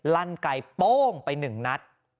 ลั่นไก่โป้งไปหนึ่งนัด